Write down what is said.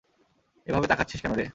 এভাবে তাকাচ্ছিস কেনো রে!